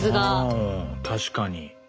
うん確かに。